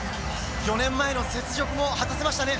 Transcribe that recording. ４年前の雪辱も果たせましたね。